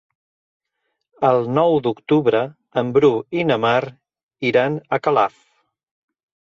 El nou d'octubre en Bru i na Mar iran a Calaf.